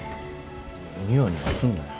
ニヤニヤすんなや。